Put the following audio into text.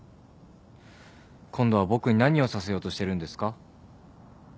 今度は僕に何をさせようとしてるんですか？